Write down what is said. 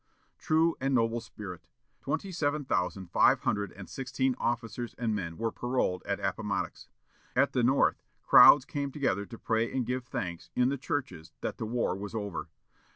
True and noble spirit! Twenty seven thousand five hundred and sixteen officers and men were paroled at Appomattox. At the North, crowds came together to pray and give thanks, in the churches, that the war was over.